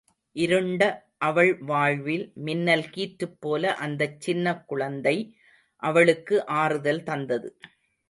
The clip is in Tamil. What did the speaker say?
இருண்ட அவள் வாழ்வில் மின்னல் கீற்றுப்போல அந்தச் சின்னகுழந்தை அவளுக்கு ஆறுதல் தந்தது.